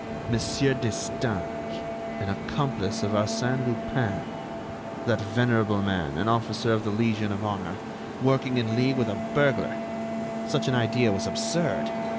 "Monsieur Destange, an accomplice of Arsène Lupin! That venerable man, an officer of the Legion of Honor, working in league with a burglar—such an idea was absurd!